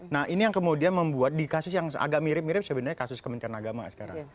nah ini yang kemudian membuat di kasus yang agak mirip mirip sebenarnya kasus kementerian agama sekarang